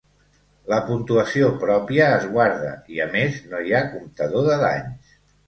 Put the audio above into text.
La puntuació pròpia es guarda i, a més, no hi ha comptador de danys.